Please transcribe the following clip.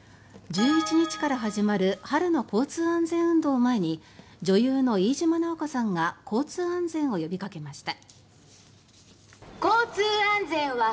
１１日から始まる「春の交通安全運動」を前に女優の飯島直子さんが交通安全を呼びかけました。